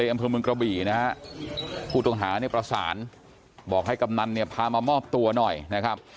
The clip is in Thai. เตรียมพื้นมืวกระบีนะครับผู้ต้องหานี่ประสานบอกให้กับนั้นเนี่ยพามามอบตัวหน่อยนะครับ